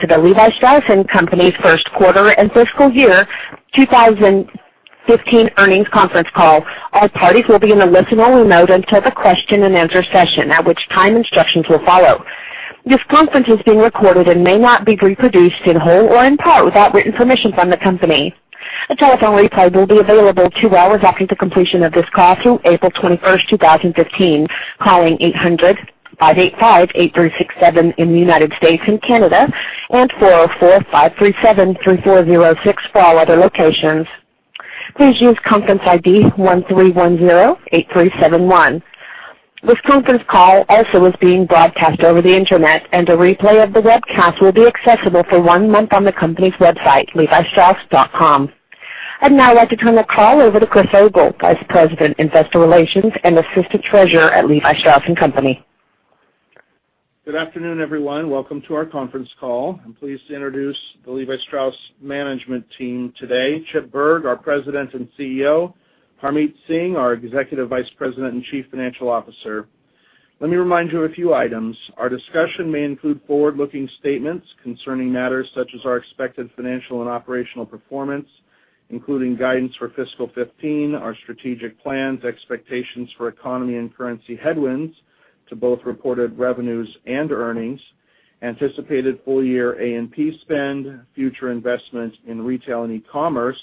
To the Levi Strauss & Co.'s first quarter and fiscal year 2015 earnings conference call. All parties will be in a listen-only mode until the question and answer session, at which time instructions will follow. This conference is being recorded and may not be reproduced in whole or in part without written permission from the company. A telephone replay will be available two hours after the completion of this call through April 21st, 2015, calling 800-585-8367 in the U.S. and Canada, and 404-537-3406 for all other locations. Please use conference ID 13108371. This conference call also is being broadcast over the internet, and a replay of the webcast will be accessible for one month on the company's website, levistrauss.com. I'd now like to turn the call over to Chris Ogle, Vice President, Investor Relations, and Assistant Treasurer at Levi Strauss & Co.. Good afternoon, everyone. Welcome to our conference call. I'm pleased to introduce the Levi Strauss management team today. Chip Bergh, our President and CEO, Harmit Singh, our Executive Vice President and Chief Financial Officer. Let me remind you of a few items. Our discussion may include forward-looking statements concerning matters such as our expected financial and operational performance, including guidance for fiscal 2015, our strategic plans, expectations for economy and currency headwinds to both reported revenues and earnings, anticipated full year A&P spend, future investment in retail and e-commerce,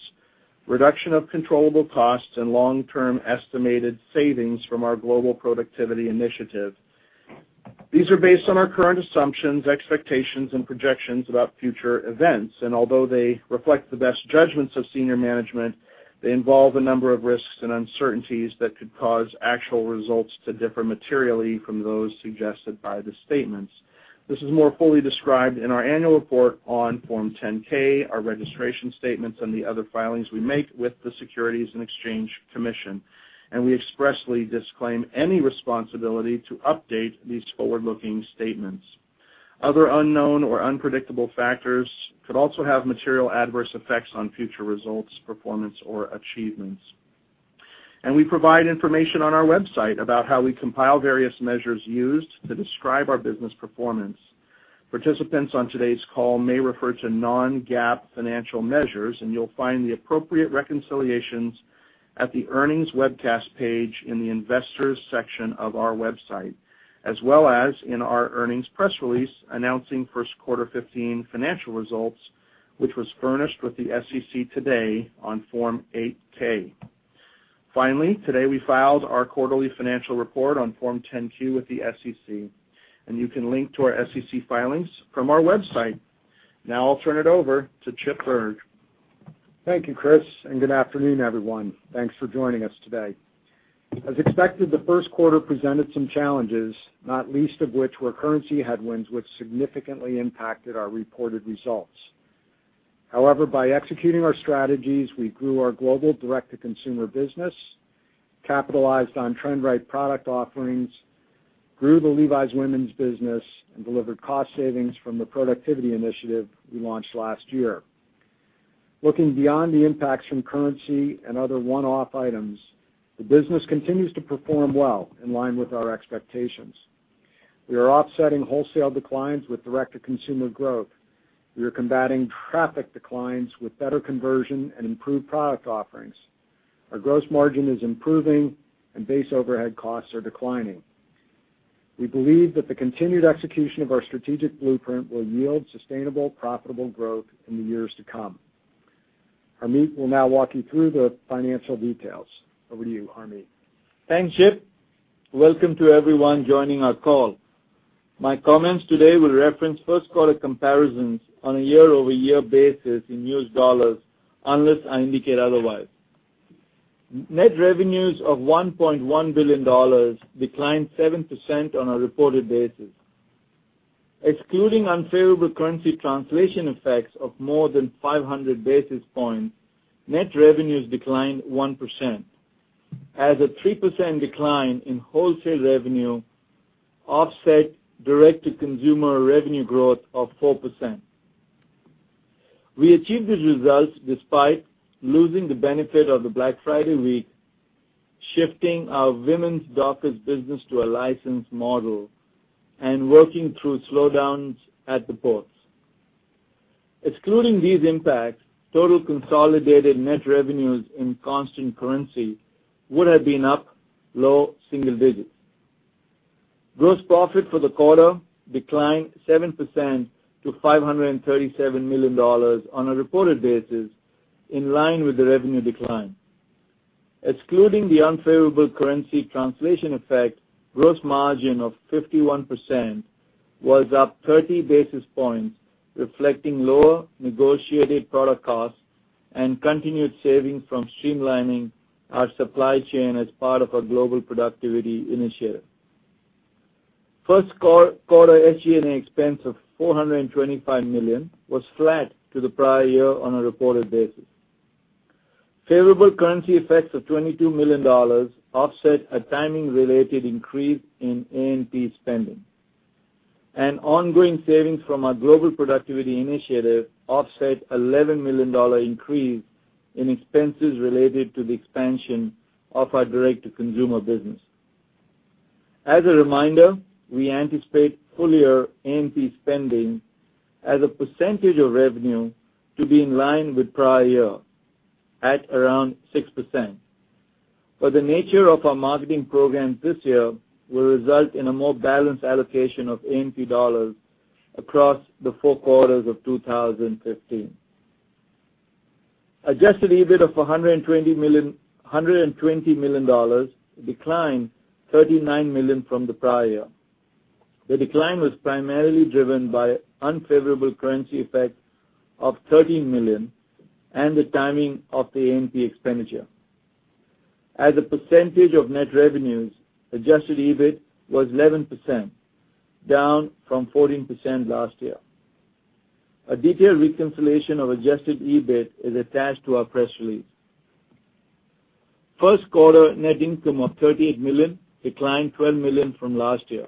reduction of controllable costs, and long-term estimated savings from our global productivity initiative. These are based on our current assumptions, expectations, and projections about future events. Although they reflect the best judgments of senior management, they involve a number of risks and uncertainties that could cause actual results to differ materially from those suggested by the statements. This is more fully described in our annual report on Form 10-K, our registration statements, and the other filings we make with the Securities and Exchange Commission. We expressly disclaim any responsibility to update these forward-looking statements. Other unknown or unpredictable factors could also have material adverse effects on future results, performance, or achievements. We provide information on our website about how we compile various measures used to describe our business performance. Participants on today's call may refer to non-GAAP financial measures, and you'll find the appropriate reconciliations at the earnings webcast page in the investors section of our website, as well as in our earnings press release announcing first quarter 2015 financial results, which was furnished with the SEC today on Form 8-K. Finally, today, we filed our quarterly financial report on Form 10-Q with the SEC, and you can link to our SEC filings from our website. Now I'll turn it over to Chip Bergh. Thank you, Chris, and good afternoon, everyone. Thanks for joining us today. As expected, the first quarter presented some challenges, not least of which were currency headwinds, which significantly impacted our reported results. However, by executing our strategies, we grew our global direct-to-consumer business, capitalized on trend right product offerings, grew the Levi's women's business, and delivered cost savings from the Global Productivity Initiative we launched last year. Looking beyond the impacts from currency and other one-off items, the business continues to perform well in line with our expectations. We are offsetting wholesale declines with direct-to-consumer growth. We are combating traffic declines with better conversion and improved product offerings. Our gross margin is improving, and base overhead costs are declining. We believe that the continued execution of our strategic blueprint will yield sustainable, profitable growth in the years to come. Harmit will now walk you through the financial details. Over to you, Harmit. Thanks, Chip. Welcome to everyone joining our call. My comments today will reference first quarter comparisons on a year-over-year basis in U.S. dollars unless I indicate otherwise. Net revenues of $1.1 billion declined 7% on a reported basis. Excluding unfavorable currency translation effects of more than 500 basis points, net revenues declined 1%, as a 3% decline in wholesale revenue offset direct-to-consumer revenue growth of 4%. We achieved these results despite losing the benefit of the Black Friday week, shifting our women's Dockers business to a licensed model, and working through slowdowns at the ports. Excluding these impacts, total consolidated net revenues in constant currency would have been up low single digits. Gross profit for the quarter declined 7% to $537 million on a reported basis, in line with the revenue decline. Excluding the unfavorable currency translation effect, gross margin of 51% was up 30 basis points, reflecting lower negotiated product costs and continued savings from streamlining our supply chain as part of our Global Productivity Initiative. First quarter SG&A expense of $425 million was flat to the prior year on a reported basis. Favorable currency effects of $22 million offset a timing-related increase in A&P spending. Ongoing savings from our Global Productivity Initiative offset $11 million increase in expenses related to the expansion of our direct-to-consumer business. As a reminder, we anticipate full-year A&P spending as a percentage of revenue to be in line with prior year, at around 6%. The nature of our marketing program this year will result in a more balanced allocation of A&P dollars across the four quarters of 2015. Adjusted EBIT of $120 million, decline $39 million from the prior year. The decline was primarily driven by unfavorable currency effects of $13 million and the timing of the A&P expenditure. As a percentage of net revenues, Adjusted EBIT was 11%, down from 14% last year. A detailed reconciliation of Adjusted EBIT is attached to our press release. First quarter net income of $38 million, declined $12 million from last year.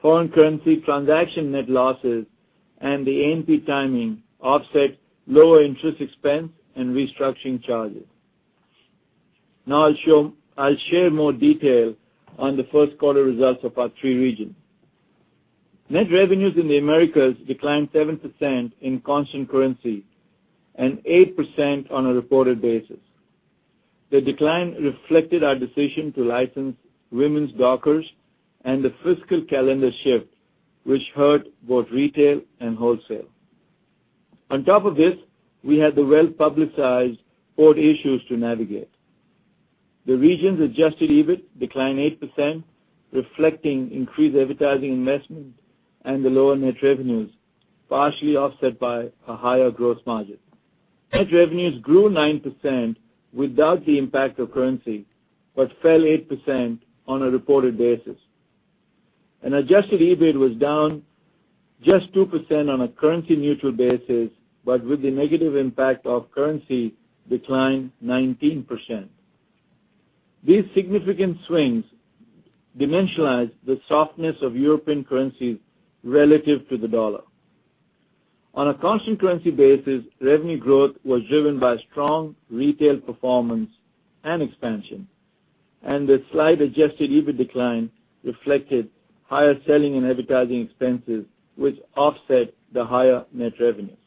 Foreign currency transaction net losses and the A&P timing offset lower interest expense and restructuring charges. Now I'll share more detail on the first quarter results of our three regions. Net revenues in the Americas declined 7% in constant currency and 8% on a reported basis. The decline reflected our decision to license women's Dockers and the fiscal calendar shift, which hurt both retail and wholesale. On top of this, we had the well-publicized port issues to navigate. The region's Adjusted EBIT declined 8%, reflecting increased advertising investment and the lower net revenues, partially offset by a higher gross margin. Net revenues grew 9% without the impact of currency, but fell 8% on a reported basis. Adjusted EBIT was down just 2% on a currency-neutral basis, but with the negative impact of currency declined 19%. These significant swings dimensionalize the softness of European currencies relative to the dollar. On a constant currency basis, revenue growth was driven by strong retail performance and expansion, and the slight Adjusted EBIT decline reflected higher selling and advertising expenses, which offset the higher net revenues.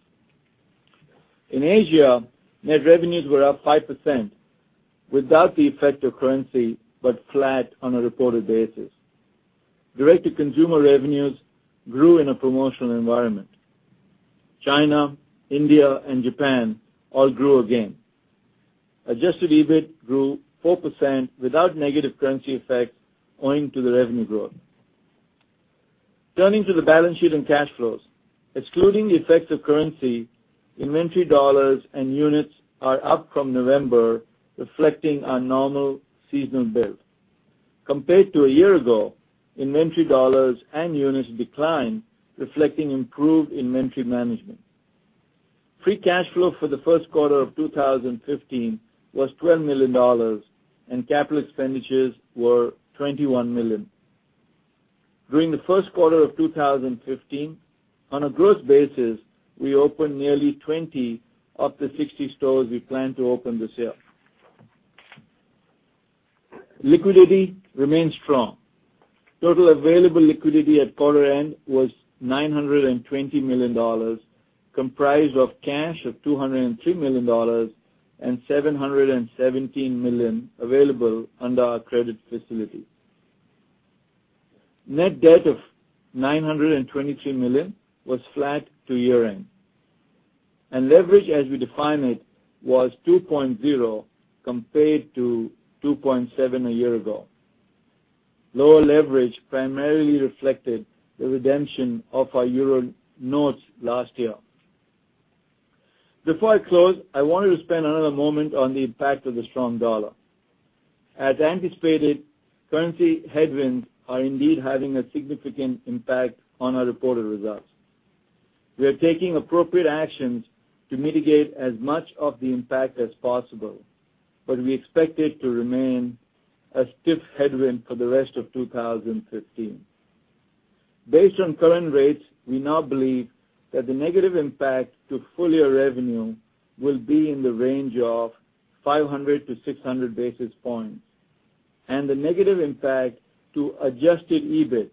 In Asia, net revenues were up 5% without the effect of currency, but flat on a reported basis. Direct-to-consumer revenues grew in a promotional environment. China, India, and Japan all grew again. Adjusted EBIT grew 4% without negative currency effects owing to the revenue growth. Turning to the balance sheet and cash flows. Excluding the effects of currency, inventory dollars and units are up from November, reflecting our normal seasonal build. Compared to a year ago, inventory dollars and units declined, reflecting improved inventory management. Free cash flow for the first quarter of 2015 was $12 million, and capital expenditures were $21 million. During the first quarter of 2015, on a gross basis, we opened nearly 20 of the 60 stores we plan to open this year. Liquidity remains strong. Total available liquidity at quarter end was $920 million, comprised of cash of $203 million and $717 million available under our credit facility. Net debt of $923 million was flat to year-end, and leverage as we define it was 2.0 compared to 2.7 a year ago. Lower leverage primarily reflected the redemption of our Euro notes last year. Before I close, I wanted to spend another moment on the impact of the strong dollar. As anticipated, currency headwinds are indeed having a significant impact on our reported results. We are taking appropriate actions to mitigate as much of the impact as possible, but we expect it to remain a stiff headwind for the rest of 2015. Based on current rates, we now believe that the negative impact to full-year revenue will be in the range of 500 to 600 basis points, and the negative impact to Adjusted EBIT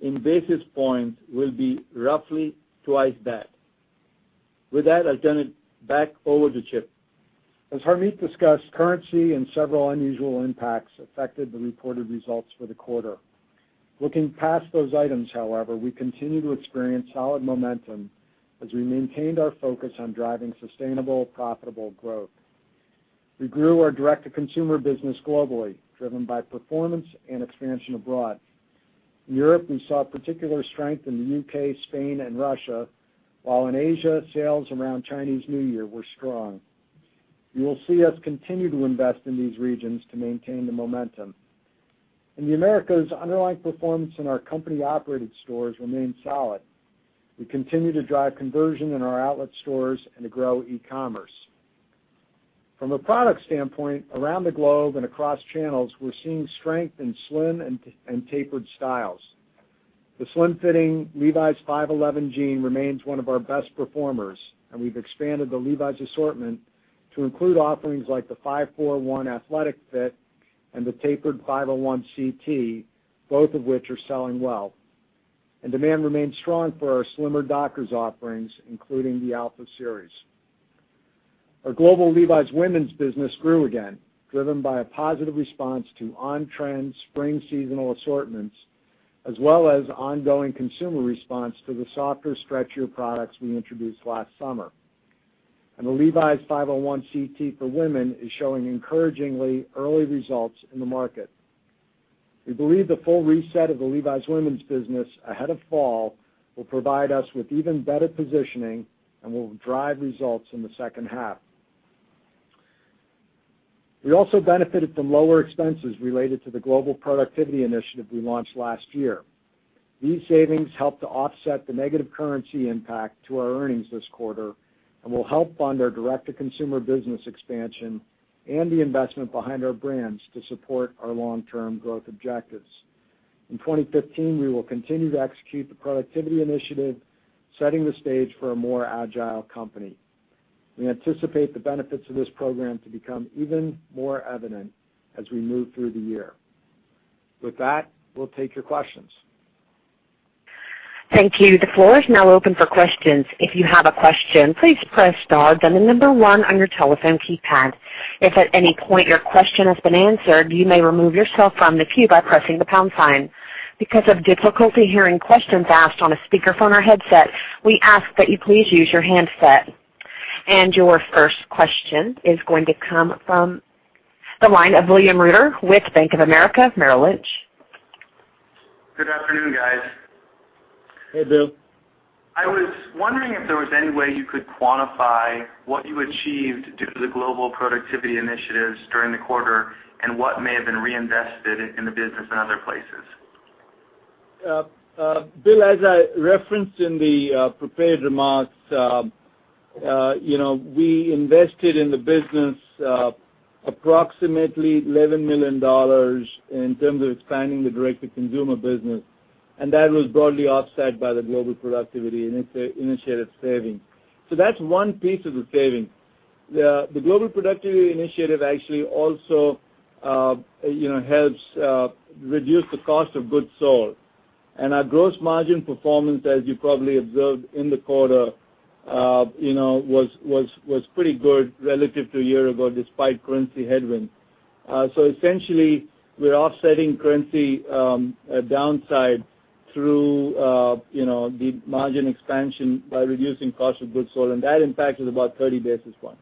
in basis points will be roughly twice that. With that, I turn it back over to Chip. As Harmit discussed, currency and several unusual impacts affected the reported results for the quarter. Looking past those items, however, we continue to experience solid momentum as we maintained our focus on driving sustainable, profitable growth. We grew our direct-to-consumer business globally, driven by performance and expansion abroad. In Europe, we saw particular strength in the U.K., Spain, and Russia, while in Asia, sales around Chinese New Year were strong. You will see us continue to invest in these regions to maintain the momentum. In the Americas, underlying performance in our company-operated stores remained solid. We continue to drive conversion in our outlet stores and to grow e-commerce. From a product standpoint, around the globe and across channels, we're seeing strength in slim and tapered styles. The slim-fitting Levi's 511 jean remains one of our best performers, we've expanded the Levi's assortment to include offerings like the 541 athletic fit and the tapered 501 CT, both of which are selling well. Demand remains strong for our slimmer Dockers offerings, including the Alpha series. Our global Levi's women's business grew again, driven by a positive response to on-trend spring seasonal assortments, as well as ongoing consumer response to the softer, stretchier products we introduced last summer. The Levi's 501 CT for women is showing encouragingly early results in the market. We believe the full reset of the Levi's women's business ahead of fall will provide us with even better positioning and will drive results in the second half. We also benefited from lower expenses related to the global productivity initiative we launched last year. These savings helped to offset the negative currency impact to our earnings this quarter and will help fund our direct-to-consumer business expansion and the investment behind our brands to support our long-term growth objectives. In 2015, we will continue to execute the productivity initiative, setting the stage for a more agile company. We anticipate the benefits of this program to become even more evident as we move through the year. With that, we'll take your questions. Thank you. The floor is now open for questions. If you have a question, please press star, then the number one on your telephone keypad. If at any point your question has been answered, you may remove yourself from the queue by pressing the pound sign. Because of difficulty hearing questions asked on a speakerphone or headset, we ask that you please use your handset. Your first question is going to come from the line of William Reuter with Bank of America Merrill Lynch. Good afternoon, guys. Hey, Bill. I was wondering if there was any way you could quantify what you achieved due to the Global Productivity Initiative during the quarter and what may have been reinvested in the business in other places. Bill, as I referenced in the prepared remarks, we invested in the business approximately $11 million in terms of expanding the direct-to-consumer business, and that was broadly offset by the Global Productivity Initiative savings. That's one piece of the savings. The Global Productivity Initiative actually also helps reduce the cost of goods sold. Our gross margin performance, as you probably observed in the quarter, was pretty good relative to a year ago, despite currency headwinds. Essentially, we're offsetting currency downside through the margin expansion by reducing cost of goods sold, and that impact is about 30 basis points.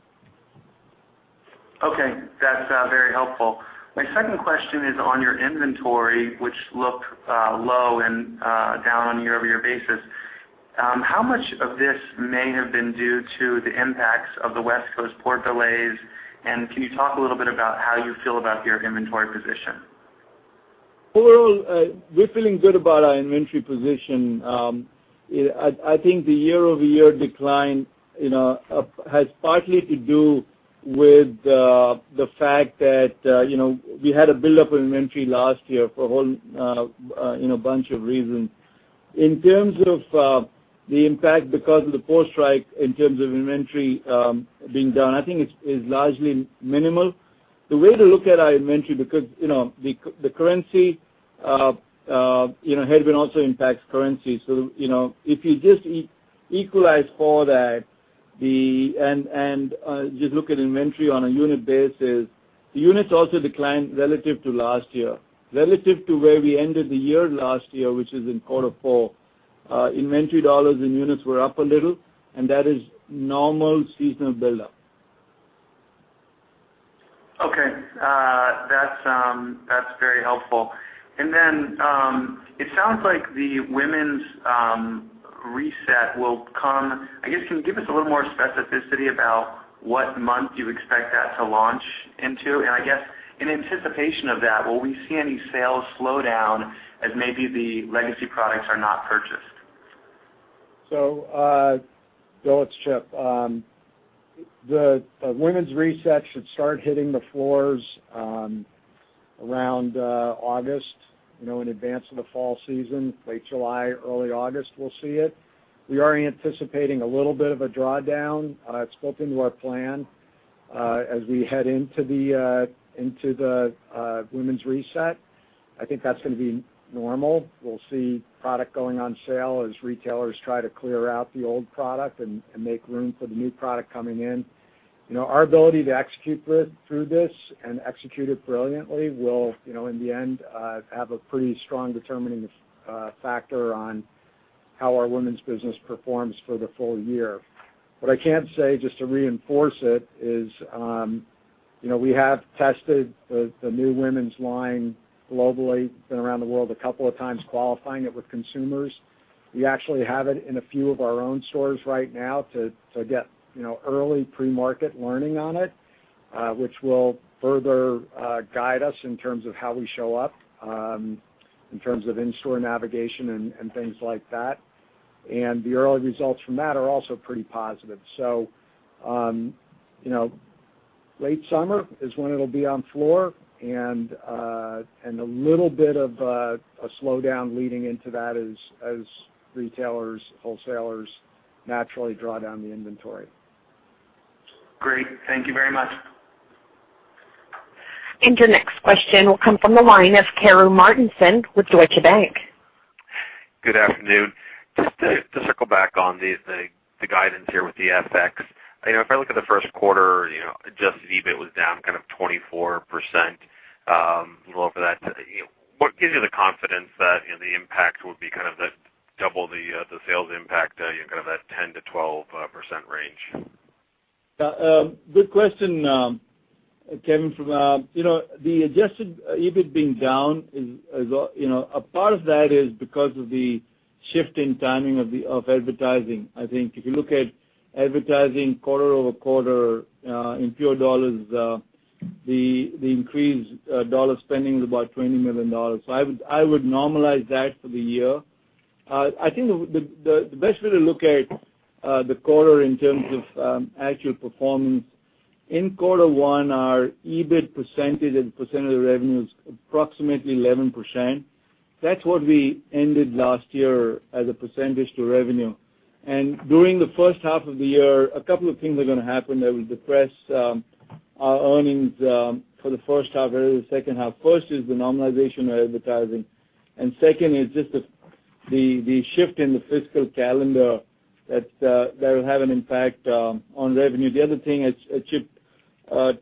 Okay. That's very helpful. My second question is on your inventory, which looked low and down on a year-over-year basis. How much of this may have been due to the impacts of the West Coast port delays, can you talk a little bit about how you feel about your inventory position? Overall, we're feeling good about our inventory position. I think the year-over-year decline has partly to do with the fact that we had a buildup in inventory last year for a whole bunch of reasons. In terms of the impact because of the port strike in terms of inventory being down, I think it's largely minimal. The way to look at our inventory, because the currency headwind also impacts currency. If you just equalize for that and just look at inventory on a unit basis, the units also declined relative to last year. Relative to where we ended the year last year, which is in quarter four, inventory dollars and units were up a little, that is normal seasonal buildup. Okay. That's very helpful. It sounds like the women's reset. I guess, can you give us a little more specificity about what month you expect that to launch into? I guess, in anticipation of that, will we see any sales slow down as maybe the legacy products are not purchased? Bill, it's Chip. The women's reset should start hitting the floors around August, in advance of the fall season. Late July, early August, we'll see it. We are anticipating a little bit of a drawdown. It's built into our plan. As we head into the women's reset, I think that's going to be normal. We'll see product going on sale as retailers try to clear out the old product and make room for the new product coming in. Our ability to execute through this and execute it brilliantly will, in the end, have a pretty strong determining factor on how our women's business performs for the full year. What I can say, just to reinforce it, is we have tested the new women's line globally. Been around the world a couple of times qualifying it with consumers. We actually have it in a few of our own stores right now to get early pre-market learning on it, which will further guide us in terms of how we show up, in terms of in-store navigation and things like that. The early results from that are also pretty positive. Late summer is when it'll be on floor, and a little bit of a slowdown leading into that as retailers, wholesalers naturally draw down the inventory. Great. Thank you very much. Your next question will come from the line of Karru Martinson with Deutsche Bank. Good afternoon. Just to circle back on the guidance here with the FX. If I look at the first quarter, Adjusted EBIT was down 24%, a little over that. What gives you the confidence that the impact would be double the sales impact, that 10%-12% range? Good question, Karru. The Adjusted EBIT being down, a part of that is because of the shift in timing of advertising. I think if you look at advertising quarter-over-quarter in pure dollars, the increased dollar spending is about $20 million. I would normalize that for the year. I think the best way to look at the quarter in terms of actual performance, in quarter one, our EBIT percentage and percent of the revenue is approximately 11%. That's what we ended last year as a percentage to revenue. During the first half of the year, a couple of things are going to happen that will depress our earnings for the first half versus the second half. First is the normalization of advertising, and second is just the shift in the fiscal calendar that will have an impact on revenue. The other thing, as Chip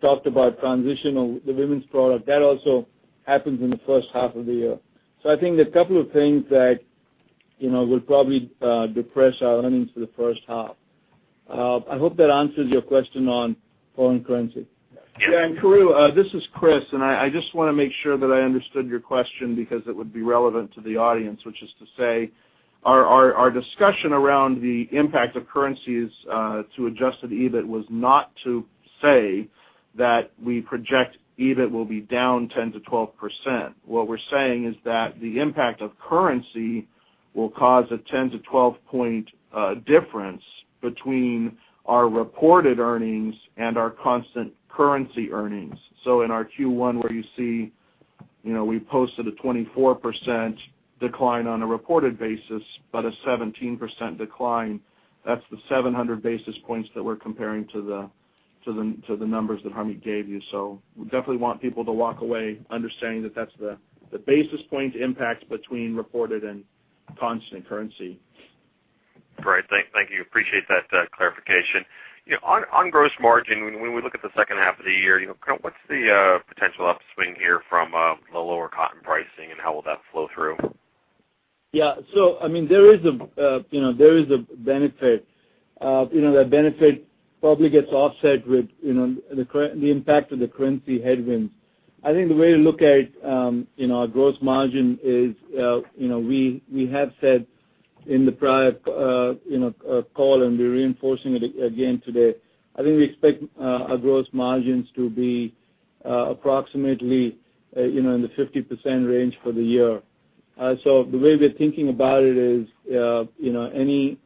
talked about, transition of the women's product. That also happens in the first half of the year. I think there's a couple of things that will probably depress our earnings for the first half. I hope that answers your question on foreign currency. Karru, this is Chris, and I just want to make sure that I understood your question because it would be relevant to the audience, which is to say our discussion around the impact of currencies to Adjusted EBIT was not to say that we project EBIT will be down 10%-12%. What we're saying is that the impact of currency will cause a 10- to 12-point difference between our reported earnings and our constant currency earnings. In our Q1, where you see we posted a 24% decline on a reported basis, but a 17% decline, that's the 700 basis points that we're comparing to the numbers that Harmit gave you. We definitely want people to walk away understanding that that's the basis points impact between reported and constant currency. Great. Thank you. Appreciate that clarification. On gross margin, when we look at the second half of the year, what's the potential upswing here from the lower cotton pricing, and how will that flow through? There is a benefit. That benefit probably gets offset with the impact of the currency headwinds. I think the way to look at our gross margin is, we have said in the prior call, and we're reinforcing it again today. I think we expect our gross margins to be approximately in the 50% range for the year. The way we're thinking about it is, any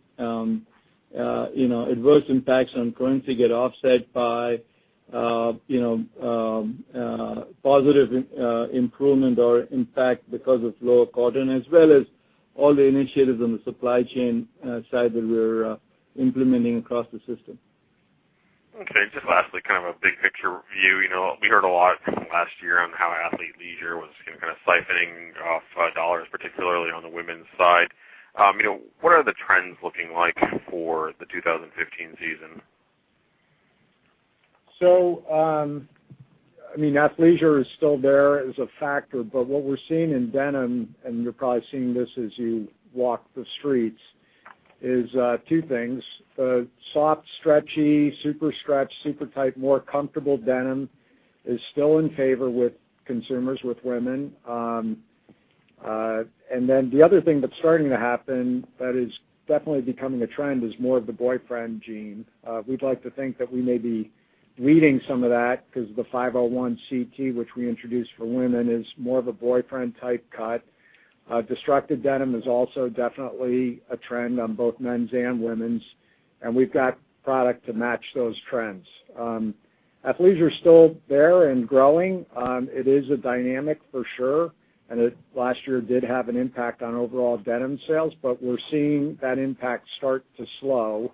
adverse impacts on currency get offset by positive improvement or impact because of lower cotton, as well as all the initiatives on the supply chain side that we're implementing across the system. Just lastly, a big picture view. We heard a lot from last year on how athleisure was siphoning off dollars, particularly on the women's side. What are the trends looking like for the 2015 season? Athleisure is still there as a factor, but what we're seeing in denim, and you're probably seeing this as you walk the streets, is two things. Soft, stretchy, super stretch, super tight, more comfortable denim is still in favor with consumers, with women. The other thing that's starting to happen that is definitely becoming a trend is more of the boyfriend jean. We'd like to think that we may be leading some of that because the 501 CT, which we introduced for women, is more of a boyfriend-type cut. Destructive denim is also definitely a trend on both men's and women's, and we've got product to match those trends. Athleisure's still there and growing. It is a dynamic for sure, it, last year, did have an impact on overall denim sales. We're seeing that impact start to slow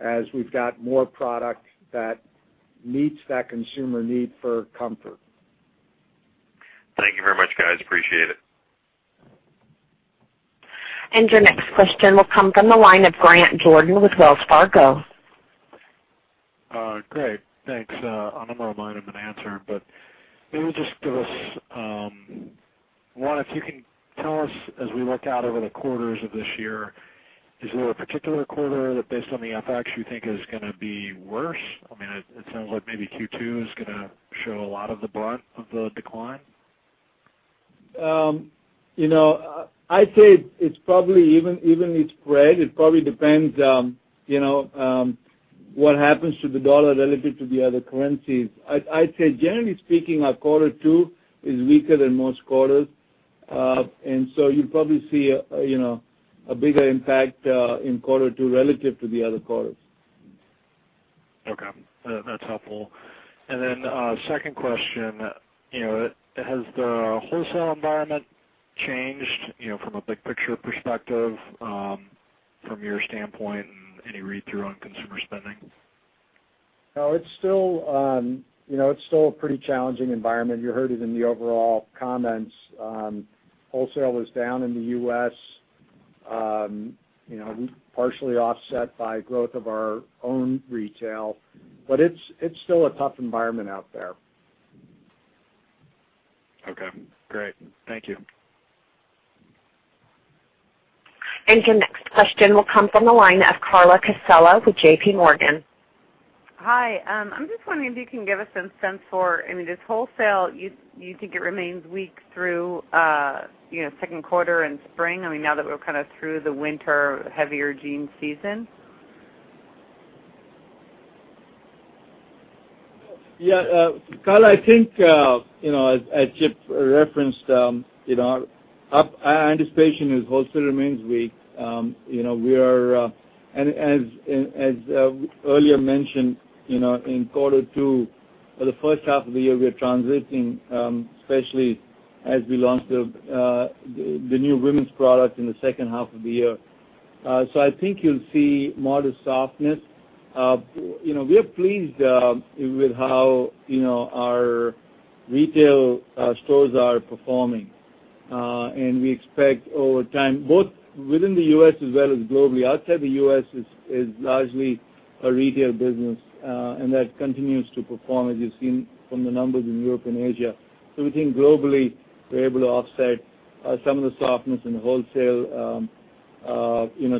as we've got more product that meets that consumer need for comfort. Thank you very much, guys. Appreciate it. Your next question will come from the line of Grant Jordan with Wells Fargo. Great. Thanks. I'm on the wrong line, I'm going to answer. Maybe just give us, one, if you can tell us as we look out over the quarters of this year, is there a particular quarter that, based on the FX, you think is gonna be worse? It sounds like maybe Q2 is gonna show a lot of the brunt of the decline. I'd say it's probably evenly spread. It probably depends what happens to the dollar relative to the other currencies. I'd say generally speaking, our quarter two is weaker than most quarters. So you'll probably see a bigger impact in quarter two relative to the other quarters. Okay. That's helpful. Then second question. Has the wholesale environment changed from a big picture perspective from your standpoint, and any read-through on consumer spending? No, it's still a pretty challenging environment. You heard it in the overall comments. Wholesale was down in the U.S. Partially offset by growth of our own retail. It's still a tough environment out there. Okay, great. Thank you. Your next question will come from the line of Carla Casella with J.P. Morgan. Hi, I'm just wondering if you can give us some sense for, this wholesale, you think it remains weak through second quarter and spring, now that we're kind of through the winter heavier jean season? Yeah. Carla, I think, as Chip referenced, our anticipation is wholesale remains weak. As earlier mentioned, in quarter two or the first half of the year, we are transiting, especially as we launch the new women's product in the second half of the year. I think you'll see modest softness. We're pleased with how our retail stores are performing. We expect over time, both within the U.S. as well as globally. Outside the U.S. is largely a retail business, and that continues to perform as you've seen from the numbers in Europe and Asia. We think globally, we're able to offset some of the softness in the wholesale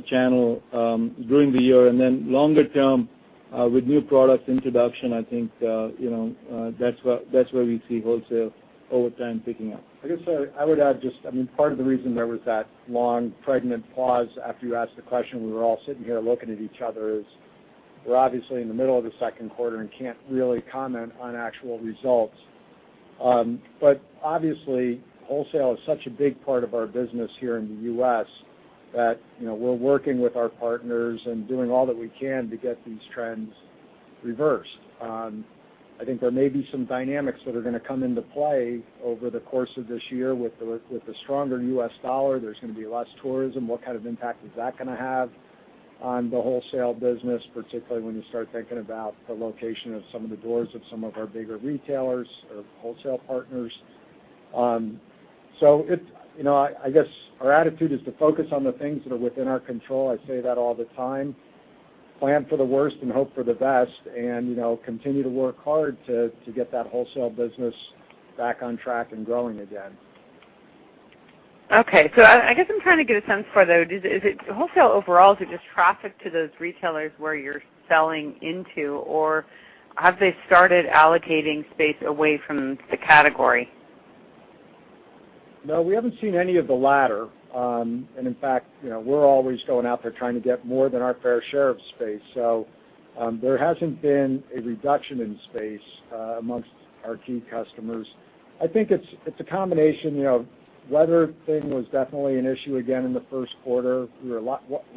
channel during the year. Longer term, with new product introduction, I think that's where we see wholesale over time picking up. I guess I would add just, part of the reason there was that long pregnant pause after you asked the question, we were all sitting here looking at each other is we're obviously in the middle of the second quarter and can't really comment on actual results. Obviously, wholesale is such a big part of our business here in the U.S. that we're working with our partners and doing all that we can to get these trends reversed. I think there may be some dynamics that are gonna come into play over the course of this year with the stronger U.S. dollar. There's gonna be less tourism. What kind of impact is that gonna have on the wholesale business, particularly when you start thinking about the location of some of the doors of some of our bigger retailers or wholesale partners? I guess our attitude is to focus on the things that are within our control. I say that all the time. Plan for the worst and hope for the best and continue to work hard to get that wholesale business back on track and growing again. Okay. I guess I'm trying to get a sense for, though, wholesale overall, is it just traffic to those retailers where you're selling into or have they started allocating space away from the category? No, we haven't seen any of the latter. In fact, we're always going out there trying to get more than our fair share of space. There hasn't been a reduction in space amongst our key customers. I think it's a combination. Weather thing was definitely an issue again in the first quarter. We were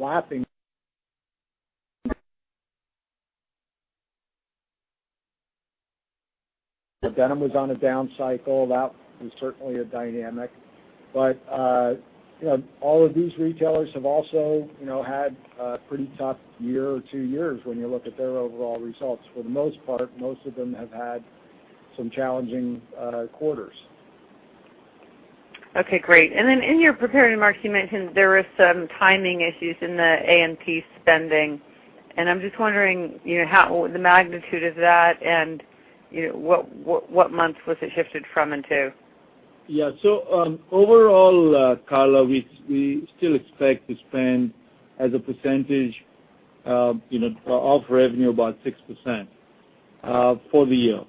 lapping. The denim was on a down cycle. That was certainly a dynamic. All of these retailers have also had a pretty tough year or two years when you look at their overall results. For the most part, most of them have had some challenging quarters. Okay, great. Then in your prepared remarks, you mentioned there were some timing issues in the A&P spending. I'm just wondering the magnitude of that and what month was it shifted from and to? Yeah. Overall, Carla, we still expect to spend as a percentage of revenue, about 6% for the year.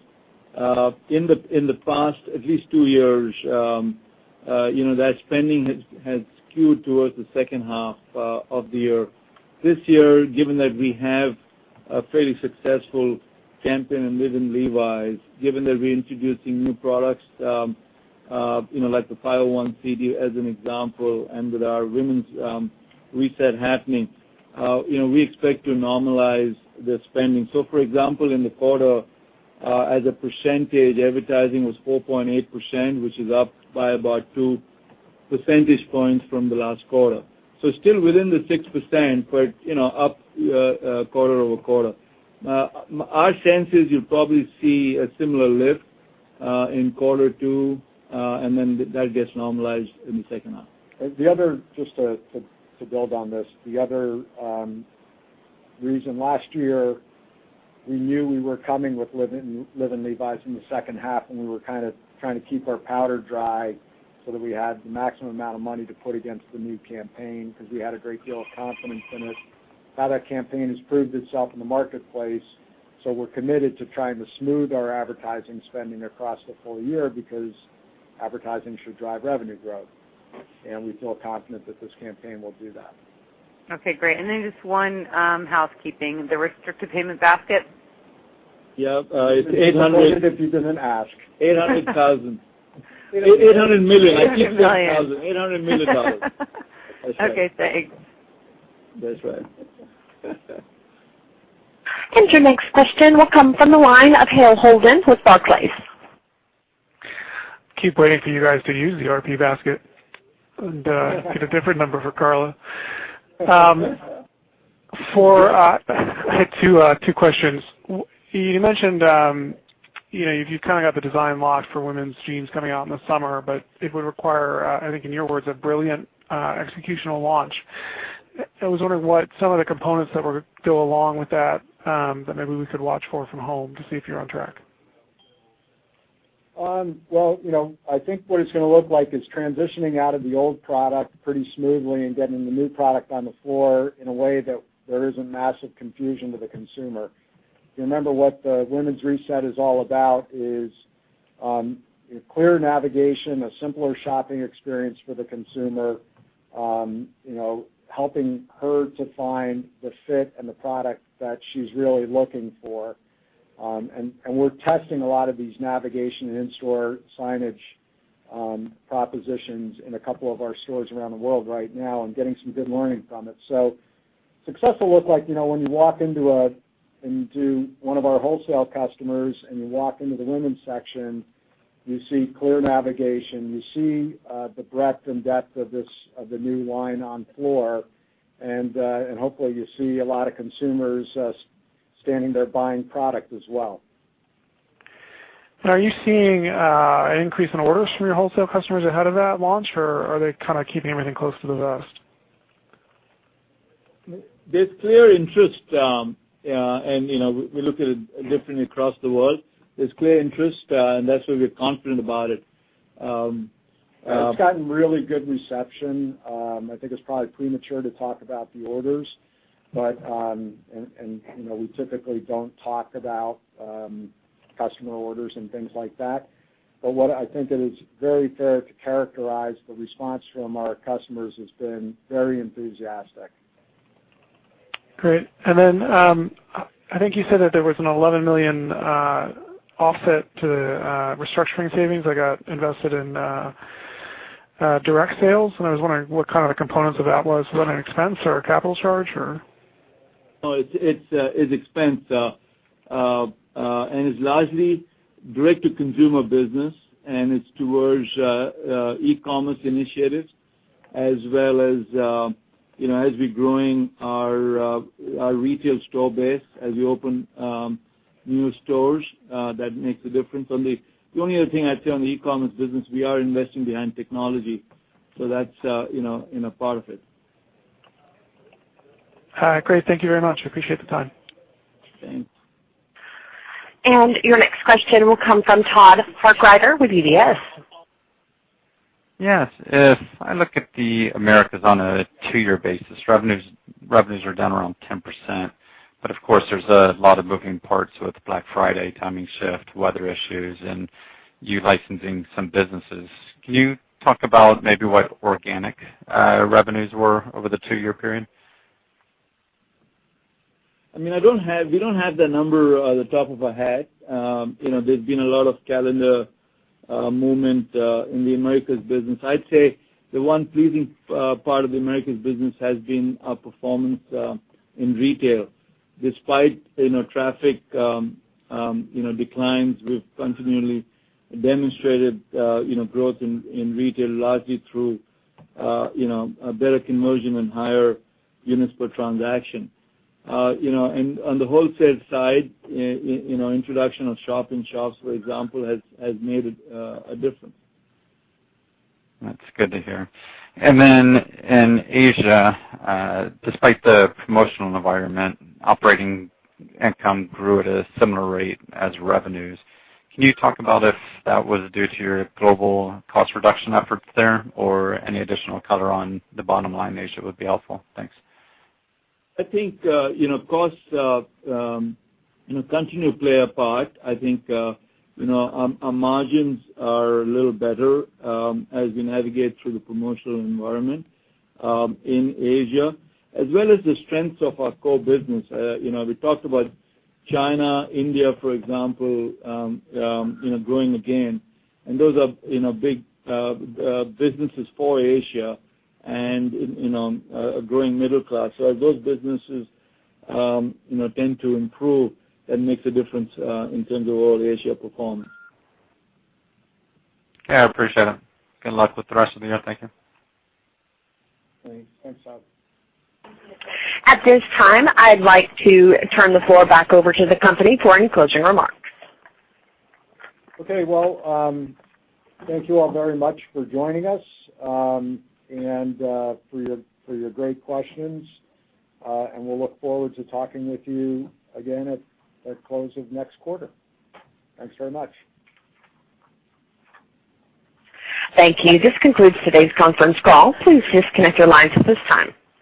In the past at least two years, that spending has skewed towards the second half of the year. This year, given that we have a fairly successful campaign in Live in Levi's, given that we're introducing new products, like the 501 CT as an example, and with our women's reset happening, we expect to normalize the spending. For example, in the quarter, as a percentage, advertising was 4.8%, which is up by about two percentage points from the last quarter. Still within the 6%, but up quarter-over-quarter. Our sense is you'll probably see a similar lift in quarter two, and then that gets normalized in the second half. Just to build on this, the other reason last year, we knew we were coming with Live in Levi's in the second half, we were kind of trying to keep our powder dry so that we had the maximum amount of money to put against the new campaign because we had a great deal of confidence in it. Now that campaign has proved itself in the marketplace, we're committed to trying to smooth our advertising spending across the full year because advertising should drive revenue growth. We feel confident that this campaign will do that. Okay, great. Just one housekeeping. The restricted payment basket Yep. It's 800- It's important if he doesn't ask. $800,000. $800 million. I keep saying thousand. $800 million. $800 million. Okay, thanks. That's right. Your next question will come from the line of Jayne Hale with Barclays. Keep waiting for you guys to use the RP basket and get a different number for Carla. I had two questions. You mentioned you've kind of got the design locked for women's jeans coming out in the summer, it would require, I think in your words, a brilliant executional launch. I was wondering what some of the components that would go along with that that maybe we could watch for from home to see if you're on track. I think what it's going to look like is transitioning out of the old product pretty smoothly and getting the new product on the floor in a way that there isn't massive confusion to the consumer. Remember, what the women's reset is all about is a clear navigation, a simpler shopping experience for the consumer. Helping her to find the fit and the product that she's really looking for. We're testing a lot of these navigation and in-store signage propositions in a couple of our stores around the world right now and getting some good learnings from it. Success will look like, when you walk into one of our wholesale customers, and you walk into the women's section, you see clear navigation. You see the breadth and depth of the new line on floor. Hopefully, you see a lot of consumers standing there buying product as well. Are you seeing an increase in orders from your wholesale customers ahead of that launch, or are they kind of keeping everything close to the vest? There's clear interest. We look at it differently across the world. There's clear interest, and that's why we're confident about it. It's gotten really good reception. I think it's probably premature to talk about the orders. We typically don't talk about customer orders and things like that. What I think it is very fair to characterize the response from our customers has been very enthusiastic. Great. I think you said that there was an $11 million offset to restructuring savings that got invested in direct sales, and I was wondering what kind of the components of that was. Was that an expense or a capital charge, or? No, it's expense. It's largely direct-to-consumer business, it's towards e-commerce initiatives as well as we're growing our retail store base, as we open new stores, that makes a difference. Only other thing I'd say on the e-commerce business, we are investing behind technology. That's in a part of it. All right, great. Thank you very much. I appreciate the time. Thanks. Your next question will come from Todd Harkrider with UBS. Yes. If I look at the Americas on a two-year basis, revenues are down around 10%, but of course, there's a lot of moving parts with Black Friday timing shift, weather issues, and you licensing some businesses. Can you talk about maybe what organic revenues were over the two-year period? We don't have that number off the top of our head. There's been a lot of calendar movement in the Americas business. I'd say the one pleasing part of the Americas business has been our performance in retail. Despite traffic declines, we've continually demonstrated growth in retail largely through better conversion and higher units per transaction. On the wholesale side, introduction of shop-in-shops, for example, has made a difference. That's good to hear. In Asia, despite the promotional environment, operating income grew at a similar rate as revenues. Can you talk about if that was due to your global cost reduction efforts there or any additional color on the bottom line in Asia would be helpful. Thanks. I think costs continue to play a part. I think our margins are a little better as we navigate through the promotional environment in Asia, as well as the strengths of our core business. We talked about China, India, for example, growing again. Those are big businesses for Asia and a growing middle class. As those businesses tend to improve, that makes a difference in terms of overall Asia performance. Yeah, I appreciate it. Good luck with the rest of the year. Thank you. Thanks. Thanks, Todd. At this time, I'd like to turn the floor back over to the company for any closing remarks. Okay. Well, thank you all very much for joining us, and for your great questions. We'll look forward to talking with you again at close of next quarter. Thanks very much. Thank you. This concludes today's conference call. Please disconnect your lines at this time.